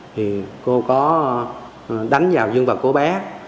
thì cô có đánh vào dương vật của bé